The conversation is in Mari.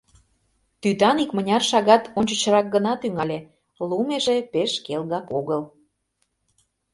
— Тӱтан икмыняр шагат ончычрак гына тӱҥале, лум эше пеш келгак огыл.